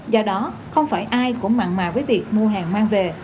do đó không phải ai cũng mặn mà với việc mua hàng mang về